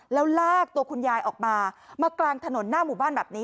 แล้วลากตัวคุณยายออกมามากลางถนนหน้าหมู่บ้านแบบนี้